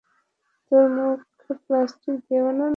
তোর মুখ প্লাস্টিক দিয়ে বানানো।